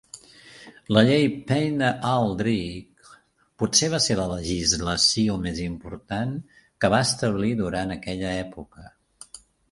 La llei Payne-Aldrich potser va ser la legislació més important que va establir durant aquella època.